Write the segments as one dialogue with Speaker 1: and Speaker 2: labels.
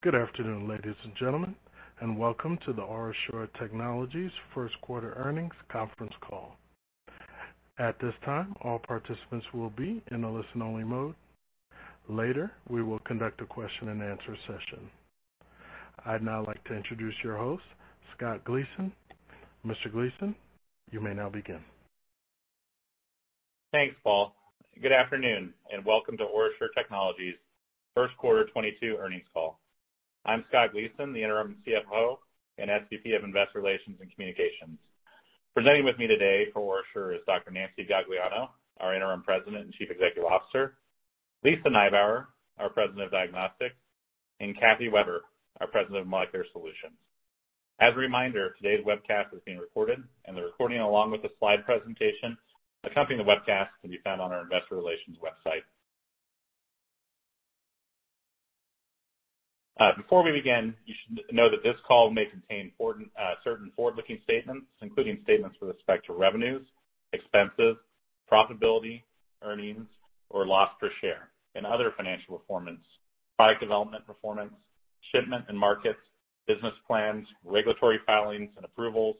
Speaker 1: Good afternoon, ladies and gentlemen, and welcome to the OraSure Technologies Q1 earnings conference call. At this time, all participants will be in a listen-only mode. Later, we will conduct a question-and-answer session. I'd now like to introduce your host, Scott Gleason. Mr. Gleason, you may now begin.
Speaker 2: Thanks, Paul. Good afternoon, and welcome to OraSure Technologies' Q1 2022 earnings call. I'm Scott Gleason, the interim CFO and SVP of Investor Relations and Communications. Presenting with me today for OraSure is Dr. Nancy Gagliano, our interim president and chief executive officer, Lisa Nibauer, our president of Diagnostics, and Kathleen Weber, our president of Molecular Solutions. As a reminder, today's webcast is being recorded, and the recording, along with the slide presentation accompanying the webcast, can be found on our investor relations website. Before we begin, you should know that this call may contain important, certain forward-looking statements, including statements with respect to revenues, expenses, profitability, earnings or loss per share, and other financial performance, product development performance, shipment and markets, business plans, regulatory filings and approvals,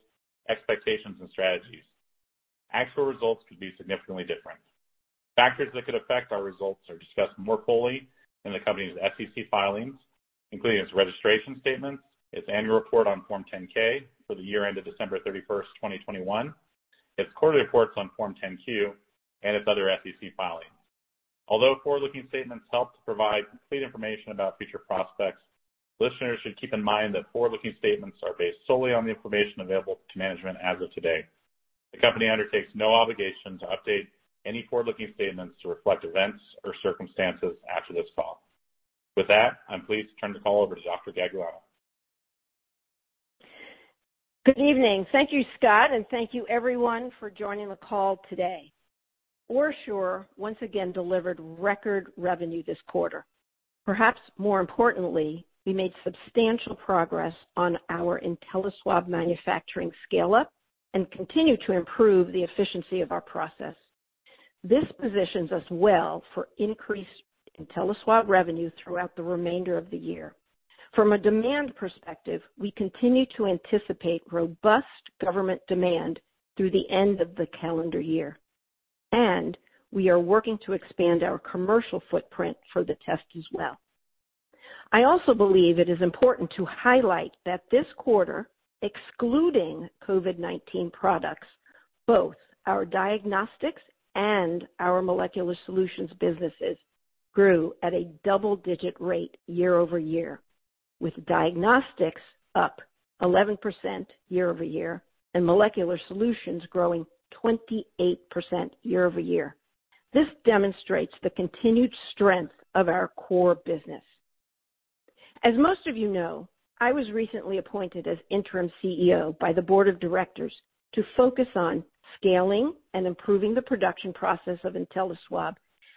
Speaker 2: expectations and strategies. Actual results could be significantly different. Factors that could affect our results are discussed more fully in the company's SEC filings, including its registration statements, its annual report on Form 10-K for the year ended December 31, 2021, its quarterly reports on Form 10-Q, and its other SEC filings. Although forward-looking statements help to provide complete information about future prospects, listeners should keep in mind that forward-looking statements are based solely on the information available to management as of today. The company undertakes no obligation to update any forward-looking statements to reflect events or circumstances after this call. With that, I'm pleased to turn the call over to Dr. Gagliano.
Speaker 3: Good evening. Thank you, Scott, and thank you everyone for joining the call today. OraSure once again delivered record revenue this quarter. Perhaps more importantly, we made substantial progress on our InteliSwab manufacturing scale-up and continue to improve the efficiency of our process. This positions us well for increased InteliSwab revenue throughout the remainder of the year. From a demand perspective, we continue to anticipate robust government demand through the end of the calendar year, and we are working to expand our commercial footprint for the test as well. I also believe it is important to highlight that this quarter, excluding COVID-19 products, both our diagnostics and our molecular solutions businesses grew at a double-digit rate year-over-year, with diagnostics up 11% year-over-year and molecular solutions growing 28% year-over-year. This demonstrates the continued strength of our core business. As most of you know, I was recently appointed as interim CEO by the board of directors to focus on scaling and improving the production process of InteliSwab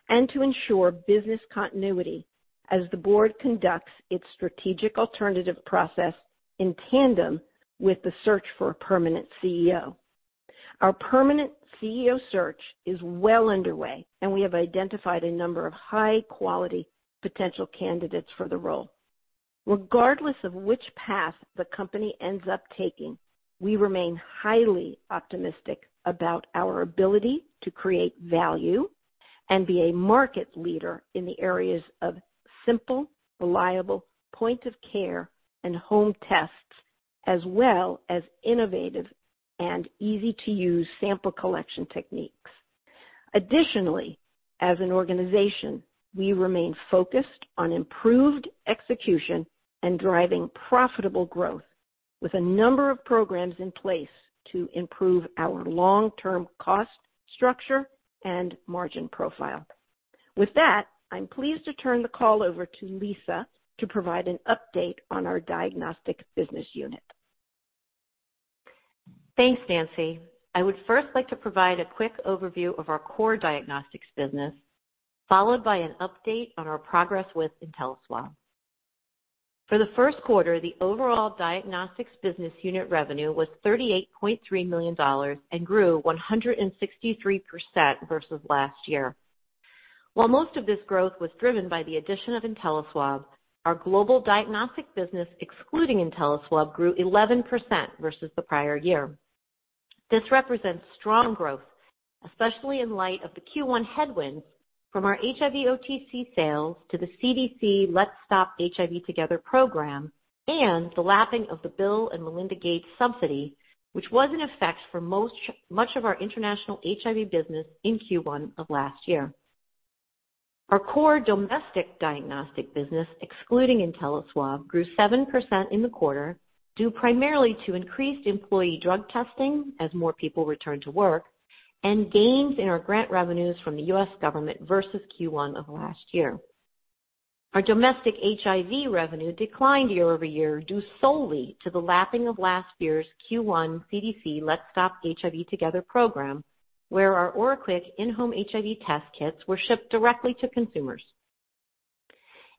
Speaker 3: and to ensure business continuity as the board conducts its strategic alternative process in tandem with the search for a permanent CEO. Our permanent CEO search is well underway, and we have identified a number of high-quality potential candidates for the role. Regardless of which path the company ends up taking, we remain highly optimistic about our ability to create value and be a market leader in the areas of simple, reliable, point of care, and home tests, as well as innovative and easy-to-use sample collection techniques. Additionally, as an organization, we remain focused on improved execution and driving profitable growth with a number of programs in place to improve our long-term cost structure and margin profile. With that, I'm pleased to turn the call over to Lisa to provide an update on our diagnostic business unit.
Speaker 4: Thanks, Nancy. I would first like to provide a quick overview of our core diagnostics business, followed by an update on our progress with InteliSwab. For the Q1, the overall diagnostics business unit revenue was $38.3 million and grew 163% versus last year. While most of this growth was driven by the addition of InteliSwab, our global diagnostic business, excluding InteliSwab, grew 11% versus the prior year. This represents strong growth, especially in light of the Q1 headwinds from our HIV OTC sales to the CDC Let's Stop HIV Together program and the lapping of the Bill & Melinda Gates subsidy, which was in effect for much of our international HIV business in Q1 of last year. Our core domestic diagnostic business, excluding InteliSwab, grew 7% in the quarter, due primarily to increased employee drug testing as more people return to work and gains in our grant revenues from the U.S. government versus Q1 of last year. Our domestic HIV revenue declined year-over-year, due solely to the lapping of last year's Q1 CDC Let's Stop HIV Together program, where our OraQuick in-home HIV test kits were shipped directly to consumers.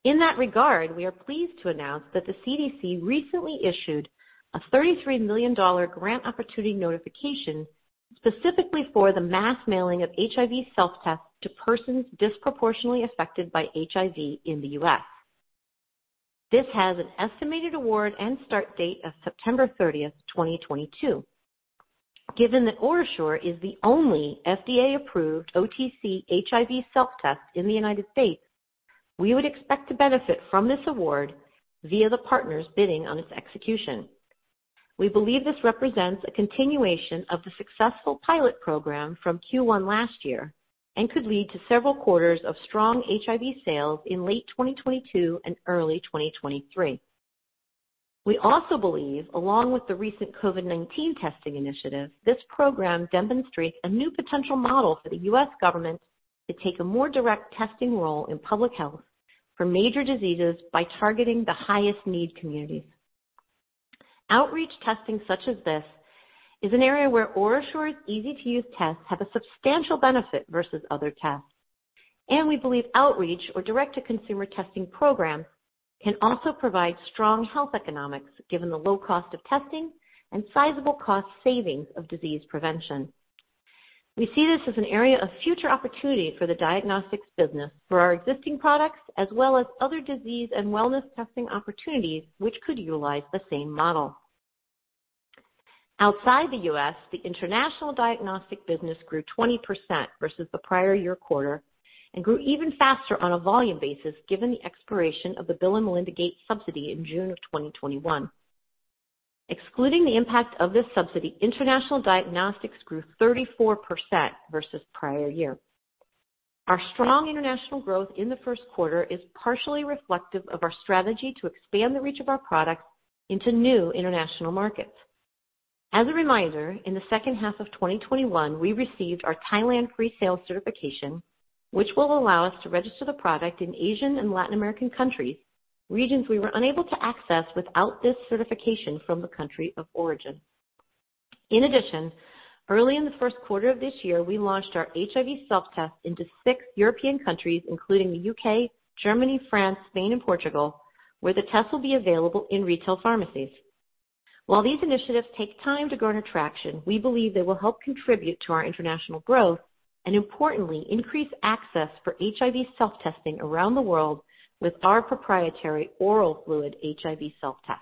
Speaker 4: In that regard, we are pleased to announce that the CDC recently issued a $33 million grant opportunity notification specifically for the mass mailing of HIV self-test to persons disproportionately affected by HIV in the U.S. This has an estimated award and start date of September thirtieth, 2022. Given that OraSure is the only FDA-approved OTC HIV self-test in the United States, we would expect to benefit from this award via the partners bidding on its execution. We believe this represents a continuation of the successful pilot program from Q1 last year, and could lead to several quarters of strong HIV sales in late 2022 and early 2023. We also believe, along with the recent COVID-19 testing initiative, this program demonstrates a new potential model for the U.S. government to take a more direct testing role in public health for major diseases by targeting the highest need communities. Outreach testing such as this is an area where OraSure's easy-to-use tests have a substantial benefit versus other tests, and we believe outreach or direct-to-consumer testing program can also provide strong health economics, given the low cost of testing and sizable cost savings of disease prevention. We see this as an area of future opportunity for the diagnostics business, for our existing products, as well as other disease and wellness testing opportunities which could utilize the same model. Outside the U.S., the international diagnostic business grew 20% versus the prior year quarter, and grew even faster on a volume basis given the expiration of the Bill & Melinda Gates Foundation subsidy in June of 2021. Excluding the impact of this subsidy, international diagnostics grew 34% versus prior year. Our strong international growth in the Q1 is partially reflective of our strategy to expand the reach of our products into new international markets. As a reminder, in the second half of 2021, we received our Thailand free sales certification, which will allow us to register the product in Asian and Latin American countries, regions we were unable to access without this certification from the country of origin. In addition, early in the Q1 of this year, we launched our HIV self-test into six European countries, including the U.K., Germany, France, Spain, and Portugal, where the test will be available in retail pharmacies. While these initiatives take time to gain traction, we believe they will help contribute to our international growth and importantly, increase access for HIV self-testing around the world with our proprietary oral fluid HIV self-test.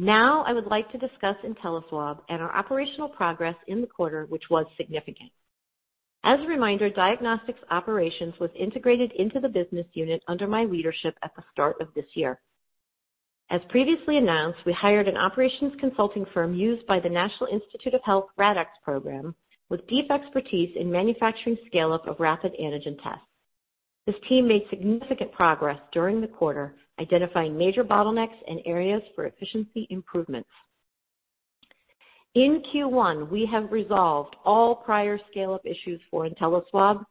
Speaker 4: Now, I would like to discuss InteliSwab and our operational progress in the quarter, which was significant. As a reminder, diagnostics operations was integrated into the business unit under my leadership at the start of this year. As previously announced, we hired an operations consulting firm used by the National Institutes of Health RADx program with deep expertise in manufacturing scale-up of rapid antigen tests. This team made significant progress during the quarter, identifying major bottlenecks and areas for efficiency improvements. In Q1, we have resolved all prior scale-up issues for InteliSwab,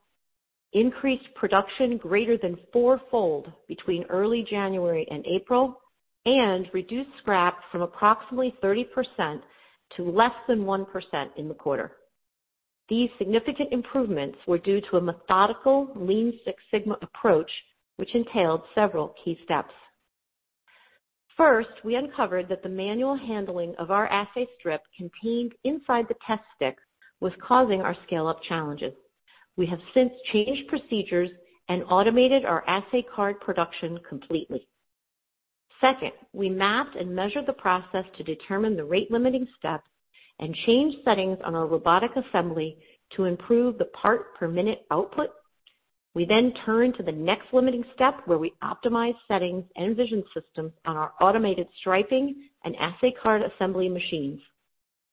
Speaker 4: increased production greater than four-fold between early January and April, and reduced scrap from approximately 30% to less than 1% in the quarter. These significant improvements were due to a methodical Lean Six Sigma approach, which entailed several key steps. First, we uncovered that the manual handling of our assay strip contained inside the test stick was causing our scale-up challenges. We have since changed procedures and automated our assay card production completely. Second, we mapped and measured the process to determine the rate limiting steps and changed settings on our robotic assembly to improve the part per minute output. We then turned to the next limiting step, where we optimized settings and vision systems on our automated striping and assay card assembly machines.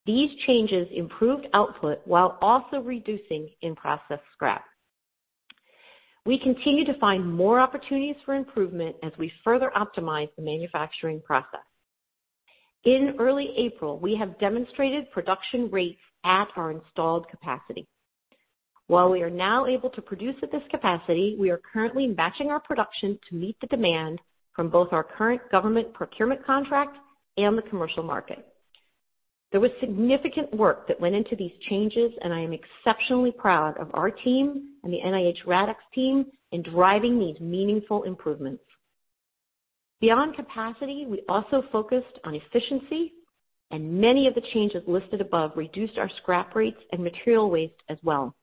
Speaker 4: These changes improved output while also reducing in-process scrap. We continue to find more opportunities for improvement as we further optimize the manufacturing process. In early April, we have demonstrated production rates at our installed capacity. While we are now able to produce at this capacity, we are currently matching our production to meet the demand from both our current government procurement contract and the commercial market. There was significant work that went into these changes, and I am exceptionally proud of our team and the NIH RADx team in driving these meaningful improvements. Beyond capacity, we also focused on efficiency, and many of the changes listed above reduced our scrap rates and material waste as well.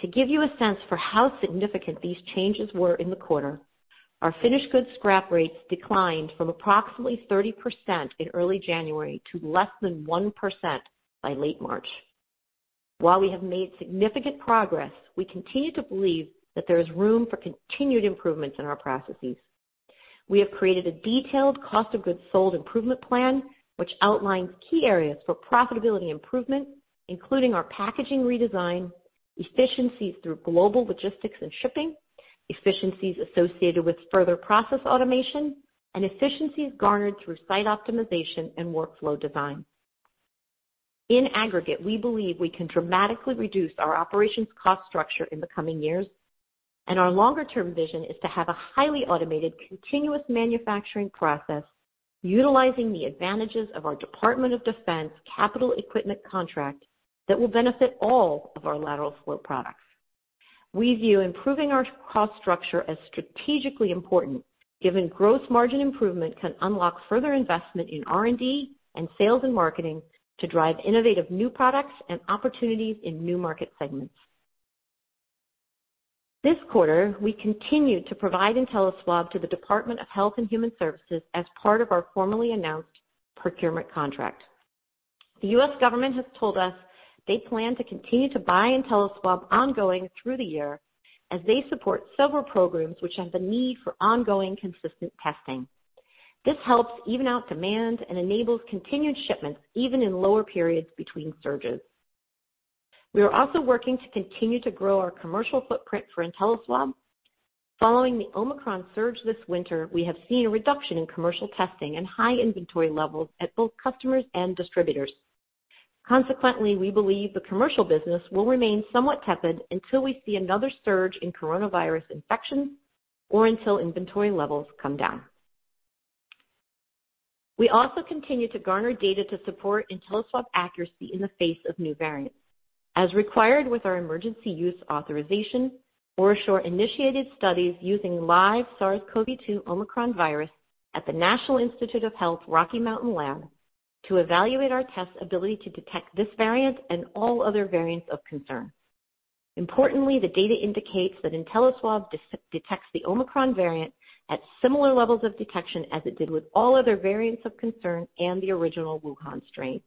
Speaker 4: To give you a sense for how significant these changes were in the quarter, our finished goods scrap rates declined from approximately 30% in early January to less than 1% by late March. While we have made significant progress, we continue to believe that there is room for continued improvements in our processes. We have created a detailed cost of goods sold improvement plan, which outlines key areas for profitability improvement, including our packaging redesign, efficiencies through global logistics and shipping, efficiencies associated with further process automation, and efficiencies garnered through site optimization and workflow design. In aggregate, we believe we can dramatically reduce our operations cost structure in the coming years, and our longer-term vision is to have a highly automated, continuous manufacturing process utilizing the advantages of our Department of Defense capital equipment contract that will benefit all of our lateral flow products. We view improving our cost structure as strategically important, given gross margin improvement can unlock further investment in R&D and sales and marketing to drive innovative new products and opportunities in new market segments. This quarter, we continued to provide InteliSwab to the Department of Health and Human Services as part of our formerly announced procurement contract. The U.S. government has told us they plan to continue to buy InteliSwab ongoing through the year as they support several programs which have a need for ongoing consistent testing. This helps even out demand and enables continued shipments even in lower periods between surges. We are also working to continue to grow our commercial footprint for InteliSwab. Following the Omicron surge this winter, we have seen a reduction in commercial testing and high inventory levels at both customers and distributors. Consequently, we believe the commercial business will remain somewhat tepid until we see another surge in coronavirus infections or until inventory levels come down. We also continue to garner data to support InteliSwab accuracy in the face of new variants. As required with our emergency use authorization, OraSure initiated studies using live SARS-CoV-2 Omicron virus at the National Institutes of Health Rocky Mountain Lab to evaluate our test's ability to detect this variant and all other variants of concern. Importantly, the data indicates that InteliSwab detects the Omicron variant at similar levels of detection as it did with all other variants of concern and the original Wuhan strain.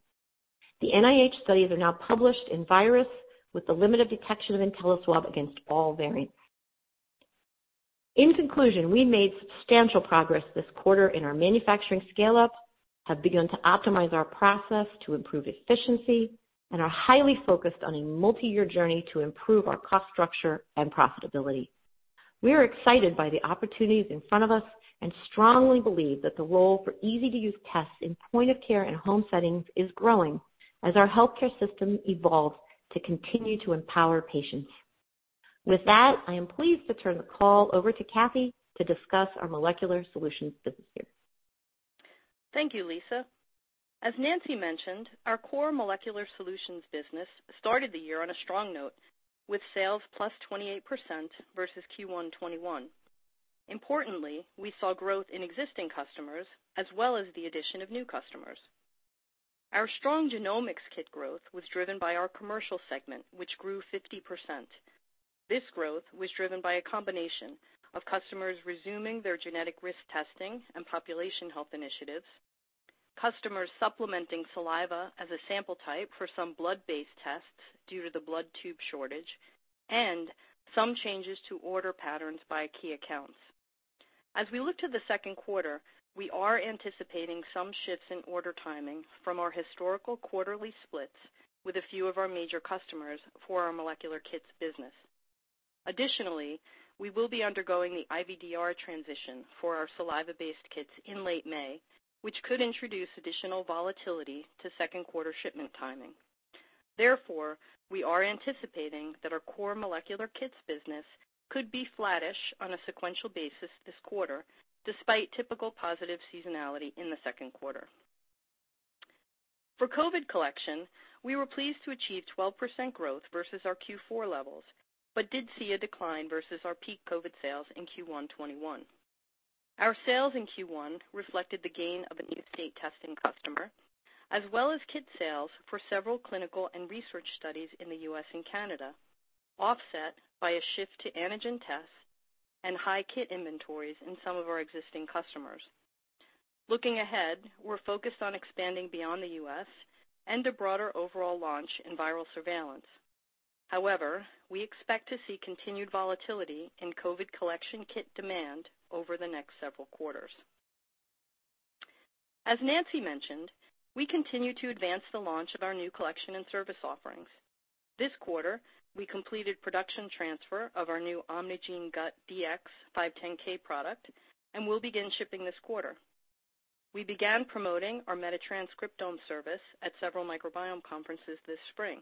Speaker 4: The NIH studies are now published in Viruses with the limit of detection of InteliSwab against all variants. In conclusion, we made substantial progress this quarter in our manufacturing scale-up, have begun to optimize our process to improve efficiency, and are highly focused on a multi-year journey to improve our cost structure and profitability. We are excited by the opportunities in front of us and strongly believe that the role for easy-to-use tests in point of care and home settings is growing as our healthcare system evolves to continue to empower patients. With that, I am pleased to turn the call over to Kathy to discuss our molecular solutions business.
Speaker 5: Thank you, Lisa. As Nancy mentioned, our core molecular solutions business started the year on a strong note, with sales +28% versus Q1 2021. Importantly, we saw growth in existing customers as well as the addition of new customers. Our strong genomics kit growth was driven by our commercial segment, which grew 50%. This growth was driven by a combination of customers resuming their genetic risk testing and population health initiatives, customers supplementing saliva as a sample type for some blood-based tests due to the blood tube shortage, and some changes to order patterns by key accounts. As we look to the Q2, we are anticipating some shifts in order timing from our historical quarterly splits with a few of our major customers for our molecular kits business. Additionally, we will be undergoing the IVDR transition for our saliva-based kits in late May, which could introduce additional volatility to Q2 shipment timing. Therefore, we are anticipating that our core molecular kits business could be flattish on a sequential basis this quarter, despite typical positive seasonality in the Q2. For COVID collection, we were pleased to achieve 12% growth versus our Q4 levels, but did see a decline versus our peak COVID sales in Q1 2021. Our sales in Q1 reflected the gain of a new state testing customer, as well as kit sales for several clinical and research studies in the U.S. and Canada, offset by a shift to antigen tests and high kit inventories in some of our existing customers. Looking ahead, we're focused on expanding beyond the U.S. and a broader overall launch in viral surveillance. However, we expect to see continued volatility in COVID collection kit demand over the next several quarters. As Nancy mentioned, we continue to advance the launch of our new collection and service offerings. This quarter, we completed production transfer of our new OMNIgene•GUT Dx 510(k) product, and will begin shipping this quarter. We began promoting our Metatranscriptome service at several microbiome conferences this spring.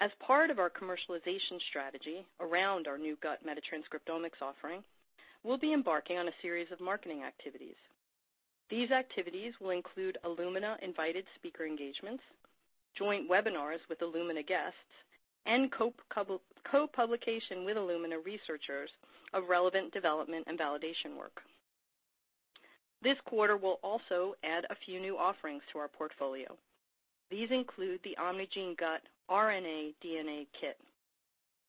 Speaker 5: As part of our commercialization strategy around our new gut Metatranscriptomics offering, we'll be embarking on a series of marketing activities. These activities will include Illumina invited speaker engagements, joint webinars with Illumina guests, and co-publication with Illumina researchers of relevant development and validation work. This quarter, we'll also add a few new offerings to our portfolio. These include the OMNIgene•GUT DNA and RNA kit.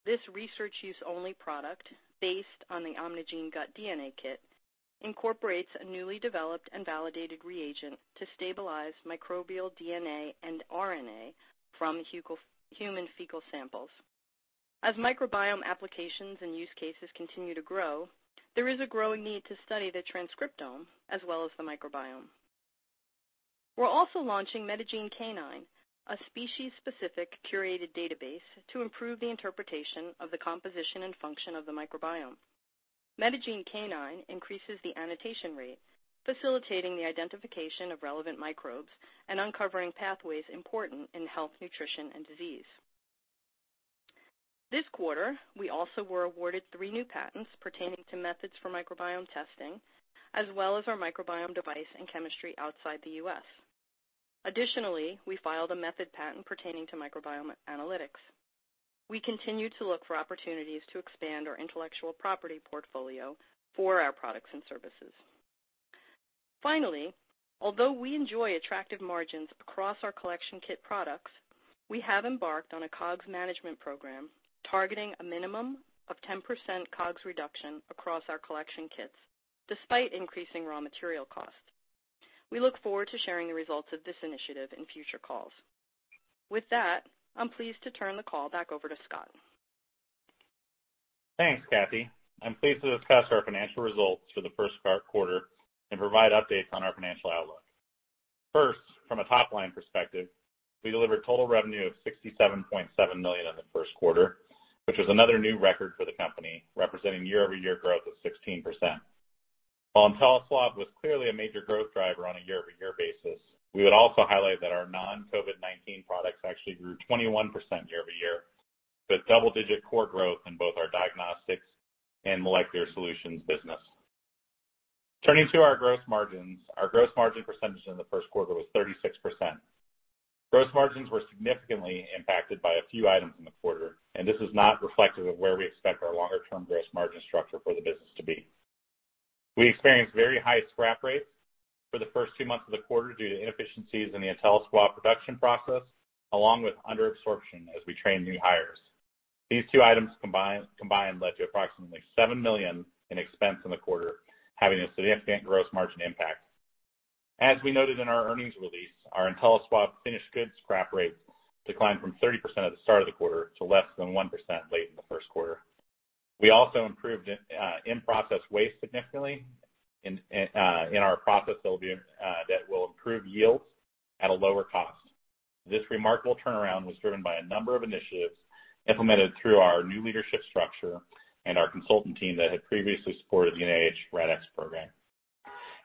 Speaker 5: This research use only product, based on the OMNIgene•GUT DNA kit, incorporates a newly developed and validated reagent to stabilize microbial DNA and RNA from human fecal samples. As microbiome applications and use cases continue to grow, there is a growing need to study the transcriptome as well as the microbiome. We're also launching MetaGeneCanine, a species-specific curated database to improve the interpretation of the composition and function of the microbiome. MetaGeneCanine increases the annotation rate, facilitating the identification of relevant microbes and uncovering pathways important in health, nutrition, and disease. This quarter, we also were awarded three new patents pertaining to methods for microbiome testing, as well as our microbiome device and chemistry outside the U.S. Additionally, we filed a method patent pertaining to microbiome analytics. We continue to look for opportunities to expand our intellectual property portfolio for our products and services. Finally, although we enjoy attractive margins across our collection kit products, we have embarked on a COGS management program targeting a minimum of 10% COGS reduction across our collection kits despite increasing raw material costs. We look forward to sharing the results of this initiative in future calls. With that, I'm pleased to turn the call back over to Scott.
Speaker 2: Thanks, Kathy. I'm pleased to discuss our financial results for the Q1 and provide updates on our financial outlook. First, from a top-line perspective, we delivered total revenue of $67.7 million in the Q1, which was another new record for the company, representing year-over-year growth of 16%. While InteliSwab was clearly a major growth driver on a year-over-year basis, we would also highlight that our non-COVID-19 products actually grew 21% year-over-year, with double-digit core growth in both our diagnostics and molecular solutions business. Turning to our gross margins. Our gross margin percentage in the Q1 was 36%. Gross margins were significantly impacted by a few items in the quarter, and this is not reflective of where we expect our longer-term gross margin structure for the business to be. We experienced very high scrap rates for the first two months of the quarter due to inefficiencies in the InteliSwab production process, along with under-absorption as we train new hires. These two items combined led to approximately $7 million in expense in the quarter, having a significant gross margin impact. As we noted in our earnings release, our InteliSwab finished goods scrap rate declined from 30% at the start of the quarter to less than 1% late in the Q1. We also improved in-process waste significantly in our process that will improve yields at a lower cost. This remarkable turnaround was driven by a number of initiatives implemented through our new leadership structure and our consultant team that had previously supported the NIH RADx program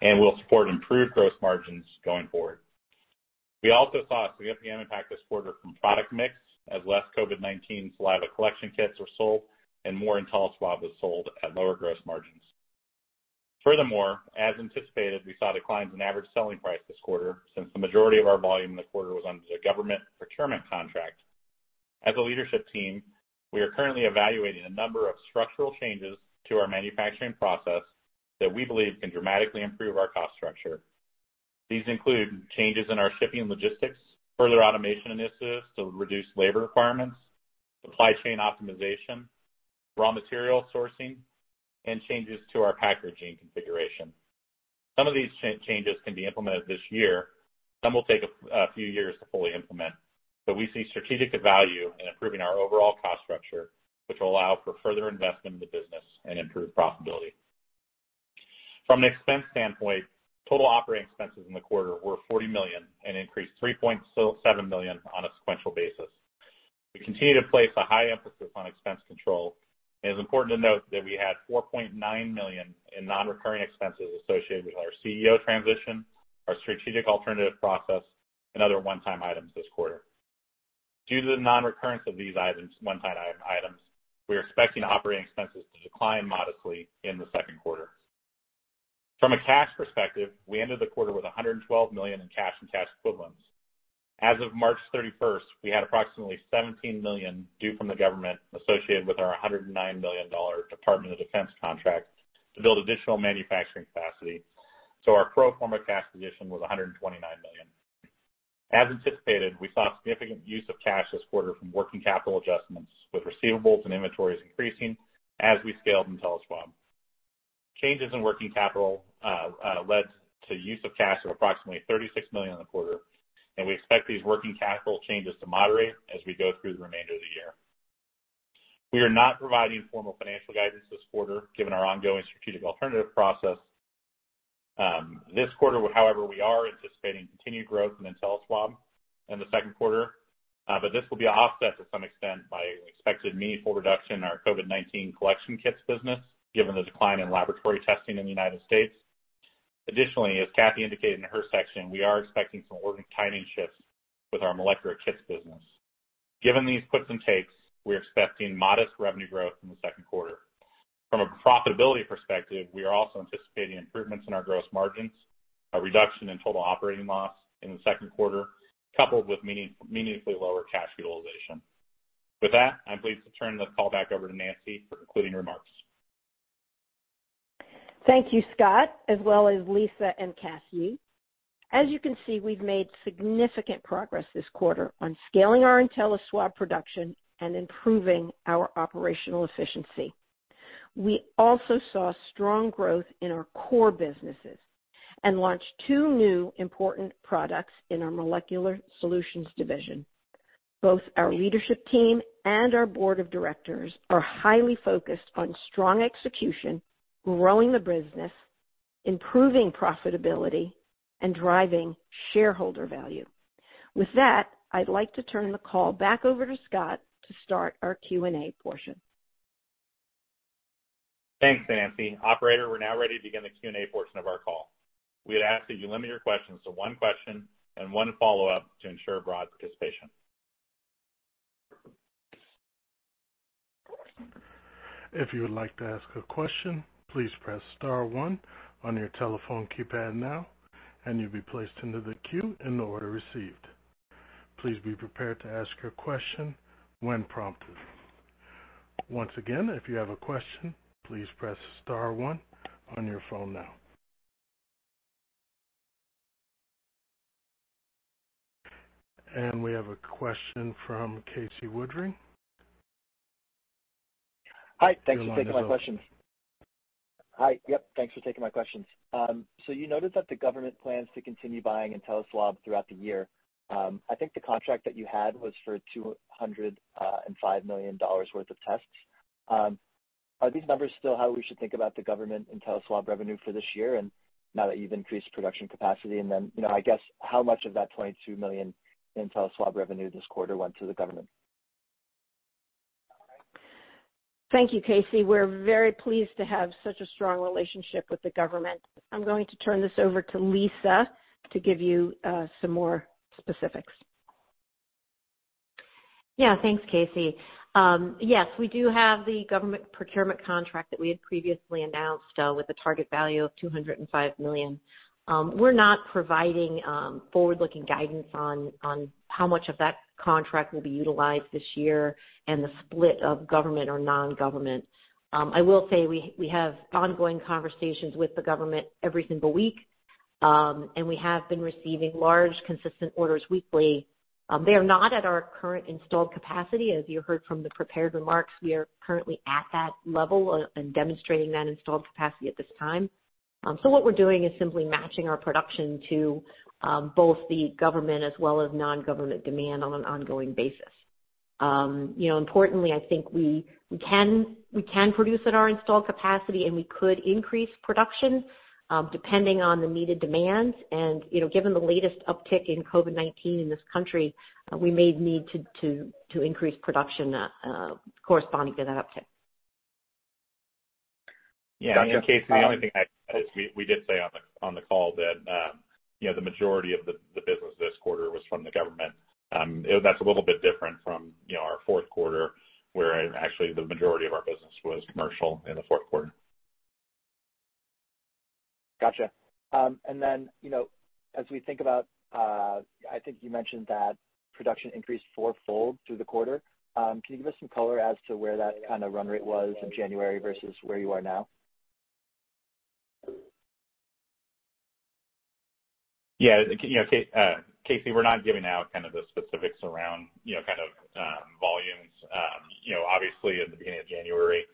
Speaker 2: and will support improved gross margins going forward. We also saw a significant impact this quarter from product mix as less COVID-19 saliva collection kits were sold and more InteliSwab was sold at lower gross margins. Furthermore, as anticipated, we saw declines in average selling price this quarter since the majority of our volume in the quarter was under the government procurement contract. As a leadership team, we are currently evaluating a number of structural changes to our manufacturing process that we believe can dramatically improve our cost structure. These include changes in our shipping logistics, further automation initiatives to reduce labor requirements, supply chain optimization, raw material sourcing, and changes to our packaging configuration. Some of these changes can be implemented this year. Some will take a few years to fully implement, but we see strategic value in improving our overall cost structure, which will allow for further investment in the business and improved profitability. From an expense standpoint, total operating expenses in the quarter were $40 million and increased $3.7 million on a sequential basis. We continue to place a high emphasis on expense control, and it's important to note that we had $4.9 million in non-recurring expenses associated with our CEO transition, our strategic alternative process, and other one-time items this quarter. Due to the non-recurrence of these one-time items, we are expecting operating expenses to decline modestly in the Q2. From a cash perspective, we ended the quarter with $112 million in cash and cash equivalents. As of March 31st, we had approximately $17 million due from the government associated with our $109 million Department of Defense contract to build additional manufacturing capacity, so our pro forma cash position was $129 million. As anticipated, we saw significant use of cash this quarter from working capital adjustments, with receivables and inventories increasing as we scaled InteliSwab. Changes in working capital led to use of cash of approximately $36 million in the quarter, and we expect these working capital changes to moderate as we go through the remainder of the year. We are not providing formal financial guidance this quarter, given our ongoing strategic alternative process. This quarter, however, we are anticipating continued growth in InteliSwab in the Q2, but this will be offset to some extent by expected meaningful reduction in our COVID-19 collection kits business, given the decline in laboratory testing in the United States. Additionally, as Kathy indicated in her section, we are expecting some ordering timing shifts with our molecular kits business. Given these puts and takes, we're expecting modest revenue growth in the Q2. From a profitability perspective, we are also anticipating improvements in our gross margins, a reduction in total operating loss in the Q2, coupled with meaningfully lower cash utilization. With that, I'm pleased to turn the call back over to Nancy for concluding remarks.
Speaker 3: Thank you, Scott, as well as Lisa and Kathy. As you can see, we've made significant progress this quarter on scaling our InteliSwab production and improving our operational efficiency. We also saw strong growth in our core businesses and launched two new important products in our molecular solutions division. Both our leadership team and our board of directors are highly focused on strong execution, growing the business, improving profitability, and driving shareholder value. With that, I'd like to turn the call back over to Scott to start our Q&A portion.
Speaker 2: Thanks, Nancy. Operator, we're now ready to begin the Q&A portion of our call. We'd ask that you limit your questions to one question and one follow-up to ensure broad participation.
Speaker 1: If you would like to ask a question, please press star one on your telephone keypad now and you'll be placed into the queue in the order received. Please be prepared to ask your question when prompted. Once again, if you have a question, please press star one on your phone now. We have a question from Casey Woodring.
Speaker 6: Hi. Thanks for taking my questions.
Speaker 1: Your line is open.
Speaker 6: Hi. Yep, thanks for taking my questions. You noted that the government plans to continue buying InteliSwab throughout the year. I think the contract that you had was for $205 million worth of tests. Are these numbers still how we should think about the government InteliSwab revenue for this year and now that you've increased production capacity? You know, I guess, how much of that $22 million in InteliSwab revenue this quarter went to the government?
Speaker 3: Thank you, Casey. We're very pleased to have such a strong relationship with the government. I'm going to turn this over to Lisa to give you, some more specifics.
Speaker 4: Yeah. Thanks, Casey. Yes, we do have the government procurement contract that we had previously announced with a target value of $205 million. We're not providing forward-looking guidance on how much of that contract will be utilized this year and the split of government or non-government. I will say we have ongoing conversations with the government every single week and we have been receiving large consistent orders weekly. They are not at our current installed capacity. As you heard from the prepared remarks, we are currently at that level and demonstrating that installed capacity at this time. So what we're doing is simply matching our production to both the government as well as non-government demand on an ongoing basis. You know, importantly, I think we can produce at our installed capacity, and we could increase production depending on the needed demands. You know, given the latest uptick in COVID-19 in this country, we may need to increase production corresponding to that uptick.
Speaker 1: Dr. Casey
Speaker 2: Yeah. Casey, the only thing I'd add is we did say on the call that, you know, the majority of the business this quarter was from the government. That's a little bit different from, you know, our Q4, where actually the majority of our business was commercial in the Q4.
Speaker 6: Gotcha. You know, as we think about, I think you mentioned that production increased fourfold through the quarter. Can you give us some color as to where that kind of run rate was in January versus where you are now?
Speaker 2: Yeah. You know, Casey, we're not giving out kind of the specifics around, you know, kind of, volumes. You know, obviously, at the beginning of January,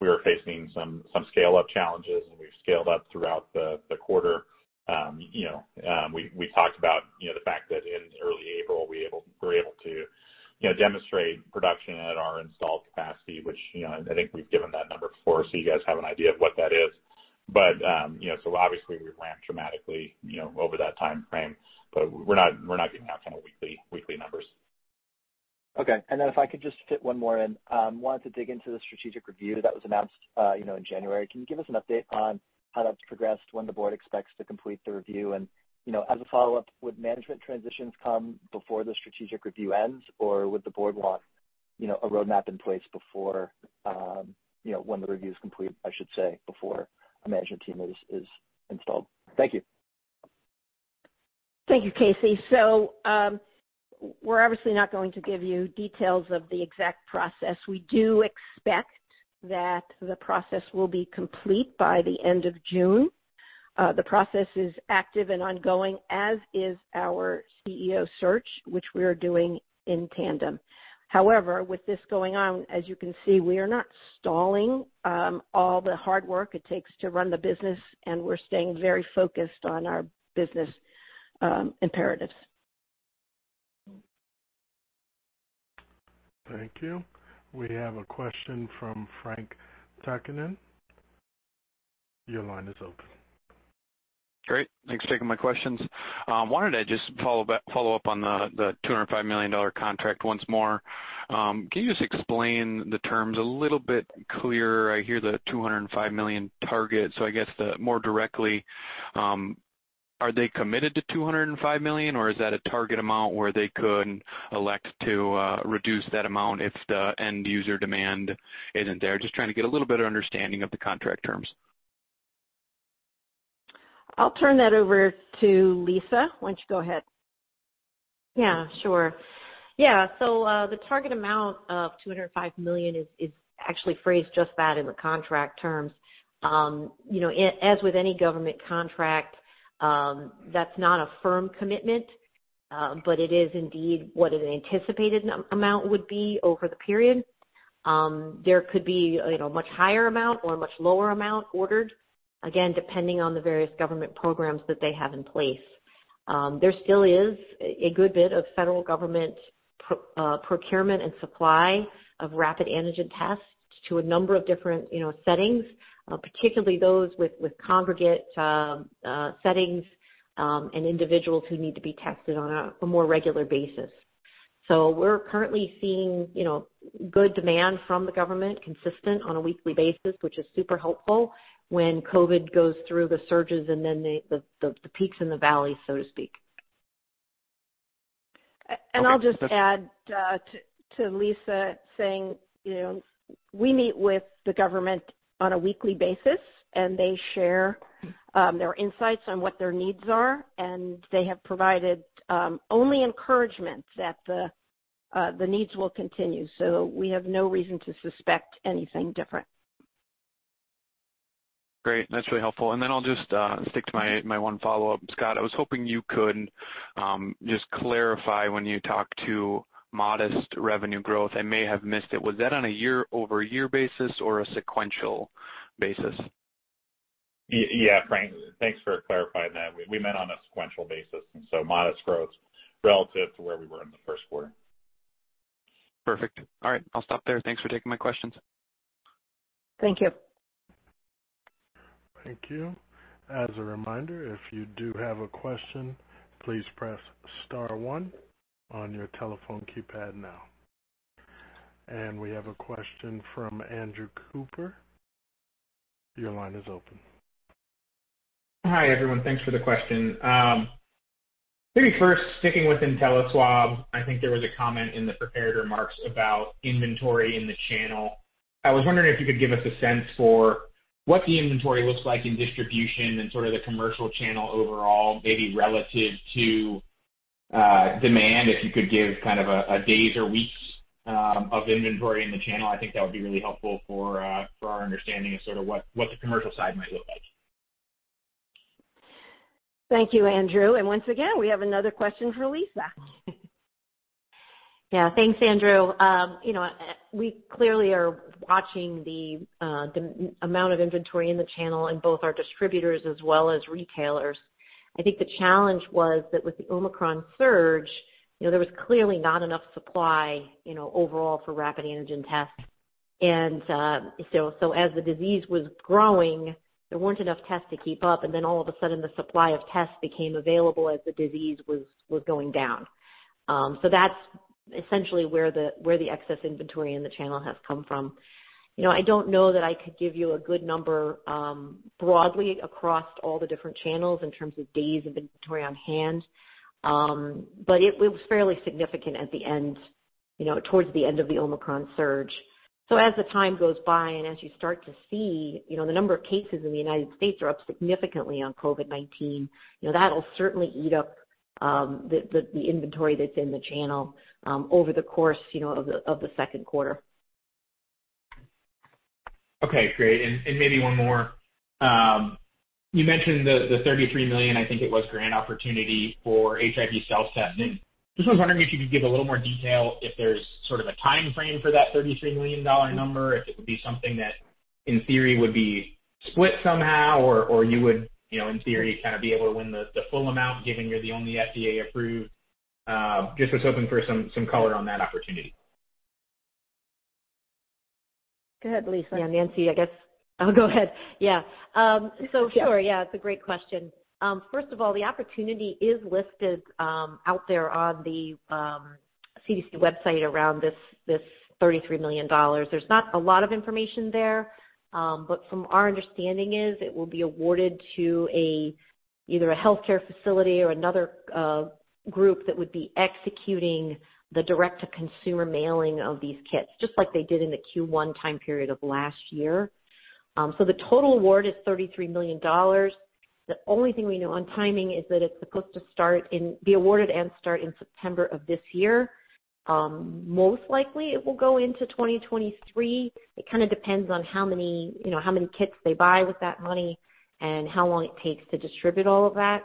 Speaker 2: we were facing some scale-up challenges, and we've scaled up throughout the quarter. You know, we talked about, you know, the fact that in early April, we're able to, you know, demonstrate production at our installed capacity, which, you know, and I think we've given that number before, so you guys have an idea of what that is. You know, obviously we ramped dramatically, you know, over that timeframe, but we're not giving out kind of weekly numbers.
Speaker 6: Okay. If I could just fit one more in. Wanted to dig into the strategic review that was announced, you know, in January. Can you give us an update on how that's progressed, when the board expects to complete the review? You know, as a follow-up, would management transitions come before the strategic review ends, or would the board want, you know, a roadmap in place before, you know, when the review is complete, I should say, before a management team is installed? Thank you.
Speaker 3: Thank you, Casey. We're obviously not going to give you details of the exact process. We do expect that the process will be complete by the end of June. The process is active and ongoing, as is our CEO search, which we are doing in tandem. However, with this going on, as you can see, we are not stalling all the hard work it takes to run the business, and we're staying very focused on our business imperatives.
Speaker 1: Thank you. We have a question from Frank Takkinen. Your line is open.
Speaker 7: Great. Thanks for taking my questions. Wanted to just follow up on the $205 million contract once more. Can you just explain the terms a little bit clearer? I hear the $205 million target. I guess more directly, are they committed to $205 million, or is that a target amount where they could elect to reduce that amount if the end user demand isn't there? Just trying to get a little bit of understanding of the contract terms.
Speaker 3: I'll turn that over to Lisa. Why don't you go ahead?
Speaker 4: Yeah, sure. Yeah. The target amount of $205 million is actually phrased just that in the contract terms. You know, as with any government contract, that's not a firm commitment, but it is indeed what an anticipated amount would be over the period. There could be, you know, a much higher amount or a much lower amount ordered, again, depending on the various government programs that they have in place. There still is a good bit of federal government procurement and supply of rapid antigen tests to a number of different, you know, settings, particularly those with congregate settings, and individuals who need to be tested on a more regular basis. We're currently seeing, you know, good demand from the government consistent on a weekly basis, which is super helpful when COVID goes through the surges and then the peaks and the valleys, so to speak.
Speaker 3: I'll just add to Lisa saying, you know, we meet with the government on a weekly basis and they share their insights on what their needs are, and they have provided only encouragement that the needs will continue. We have no reason to suspect anything different.
Speaker 7: Great. That's really helpful. I'll just stick to my one follow-up. Scott, I was hoping you could just clarify when you talked about modest revenue growth. I may have missed it. Was that on a year-over-year basis or a sequential basis?
Speaker 2: Yeah, Frank, thanks for clarifying that. We meant on a sequential basis and so modest growth relative to where we were in the Q1.
Speaker 7: Perfect. All right, I'll stop there. Thanks for taking my questions.
Speaker 3: Thank you.
Speaker 1: Thank you. As a reminder, if you do have a question, please press star one on your telephone keypad now. We have a question from Andrew Cooper. Your line is open.
Speaker 8: Hi, everyone. Thanks for the question. Maybe first sticking with InteliSwab, I think there was a comment in the prepared remarks about inventory in the channel. I was wondering if you could give us a sense for what the inventory looks like in distribution and sort of the commercial channel overall, maybe relative to demand. If you could give kind of a days or weeks of inventory in the channel, I think that would be really helpful for our understanding of sort of what the commercial side might look like.
Speaker 3: Thank you, Andrew. Once again, we have another question for Lisa.
Speaker 4: Yeah, thanks, Andrew. You know, we clearly are watching the amount of inventory in the channel in both our distributors as well as retailers. I think the challenge was that with the Omicron surge, you know, there was clearly not enough supply, you know, overall for rapid antigen tests. So as the disease was growing, there weren't enough tests to keep up, and then all of a sudden the supply of tests became available as the disease was going down. So that's essentially where the excess inventory in the channel has come from. You know, I don't know that I could give you a good number broadly across all the different channels in terms of days of inventory on hand, but it was fairly significant at the end, you know, towards the end of the Omicron surge. As the time goes by and as you start to see, you know, the number of cases in the United States are up significantly on COVID-19, you know, that'll certainly eat up the inventory that's in the channel over the course, you know, of the Q2.
Speaker 8: Okay, great. Maybe one more. You mentioned the 33 million, I think it was, grant opportunity for HIV self-testing. Just was wondering if you could give a little more detail if there's sort of a timeframe for that $33 million number, if it would be something that, in theory, would be split somehow or you would, you know, in theory kind of be able to win the full amount given you're the only FDA-approved. Just was hoping for some color on that opportunity.
Speaker 3: Go ahead, Lisa.
Speaker 4: Yeah, Nancy, I guess I'll go ahead. Yeah. So sure. Yeah, it's a great question. First of all, the opportunity is listed out there on the CDC website around this $33 million. There's not a lot of information there, but from our understanding is it will be awarded to a either a healthcare facility or another group that would be executing the direct-to-consumer mailing of these kits, just like they did in the Q1 time period of last year. So the total award is $33 million. The only thing we know on timing is that it's supposed to be awarded and start in September of this year. Most likely it will go into 2023. It kind of depends on how many, you know, how many kits they buy with that money and how long it takes to distribute all of that.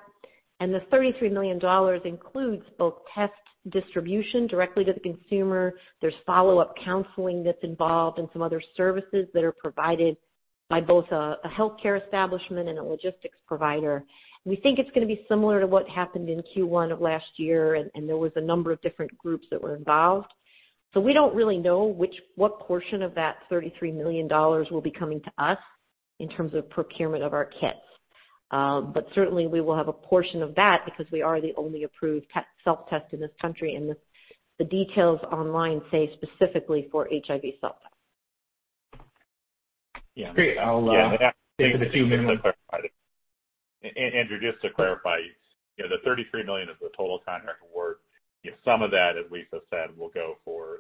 Speaker 4: The $33 million includes both test distribution directly to the consumer. There's follow-up counseling that's involved and some other services that are provided by both a healthcare establishment and a logistics provider. We think it's gonna be similar to what happened in Q1 of last year, and there was a number of different groups that were involved. We don't really know what portion of that $33 million will be coming to us in terms of procurement of our kits. Certainly we will have a portion of that because we are the only approved self-test in this country, and the details online say specifically for HIV self-test.
Speaker 8: Yeah. Great. I'll
Speaker 2: Yeah.
Speaker 8: Take the two minutes.
Speaker 2: Just to clarify. Andrew, just to clarify, you know, the $33 million is the total contract award. You know, some of that, as Lisa said, will go to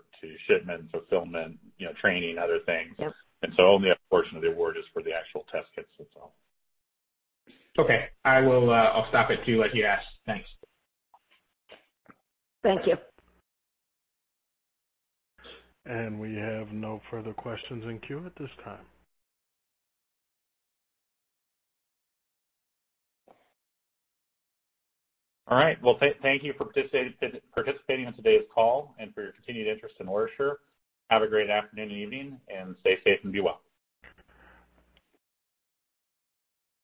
Speaker 2: shipment fulfillment, you know, training, other things.
Speaker 4: Yep.
Speaker 2: Only a portion of the award is for the actual test kits themselves.
Speaker 8: Okay. I will, I'll stop it too, like you asked. Thanks.
Speaker 3: Thank you.
Speaker 1: We have no further questions in queue at this time.
Speaker 2: All right. Well, thank you for participating in today's call and for your continued interest in OraSure. Have a great afternoon and evening, and stay safe and be well.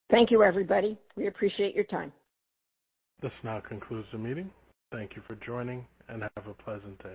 Speaker 3: Thank you, everybody. We appreciate your time.
Speaker 1: This now concludes the meeting. Thank you for joining, and have a pleasant day.